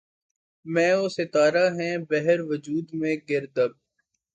مہ و ستارہ ہیں بحر وجود میں گرداب